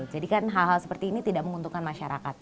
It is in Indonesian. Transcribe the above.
jadi kan hal hal seperti ini tidak menguntungkan masyarakat